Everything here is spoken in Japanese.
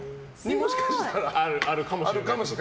もしかしたら、あるかもしれない。